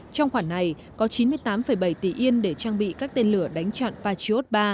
trong khoản này có chín mươi tám bảy tỷ yên để trang bị các tên lửa đánh chặn patriot ba